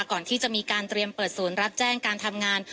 ก่อนที่จะมีการเตรียมเปิดศูนย์รับแจ้งการทำงาน